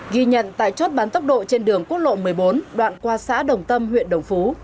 ghi nhận tại chốt bắn tốc độ trên đường quốc lộ một mươi bốn đoạn qua xã đồng tâm huyện đồng phú